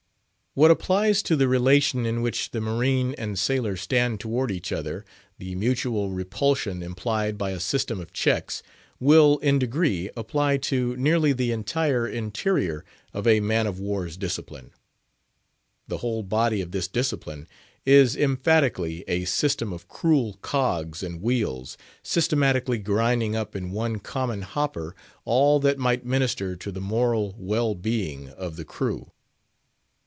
What applies to the relation in which the marine and sailor stand toward each other—the mutual repulsion implied by a system of checks—will, in degree, apply to nearly the entire interior of a man of war's discipline. The whole body of this discipline is emphatically a system of cruel cogs and wheels, systematically grinding up in one common hopper all that might minister to the moral well being of the crew.